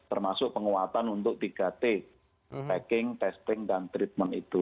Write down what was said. termasuk penguatan untuk tiga t packing testing dan treatment itu